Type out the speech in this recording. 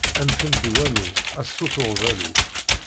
Anfemt i wannu, a sut uɣbalu!